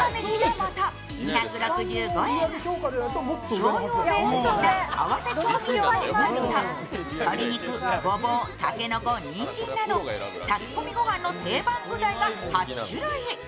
しょうゆをベースにした合わせ調味料のうまみと、鶏肉、ごぼう、竹の子、にんじんなど炊き込みご飯の定番具材が８種類。